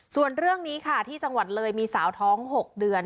ส่วนเรื่องนี้ค่ะที่จังหวัดเลยมีสาวท้อง๖เดือน